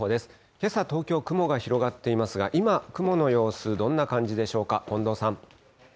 けさ、東京、雲が広がっていますが、今、雲の様子、どんな感じでしょうか、近藤さん。